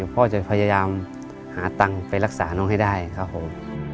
พ่อจะพยายามหาตังค์ไปรักษาน้องให้ได้ครับผม